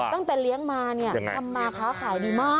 เลี้ยงมาเนี่ยทำมาค้าขายดีมาก